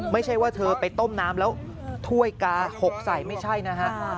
ไม่ใช่ว่าเธอไปต้มน้ำแล้วถ้วยกาหกใส่ไม่ใช่นะฮะ